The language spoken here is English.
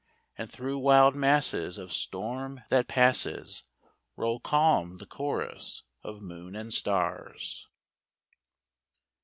And through wild masses of storm, that passes, Roll calm the chorus of moon and stars.